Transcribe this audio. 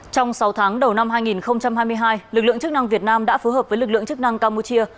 trong sáu tháng đầu năm hai nghìn hai mươi hai lực lượng chức năng việt nam đã phối hợp với lực lượng chức năng campuchia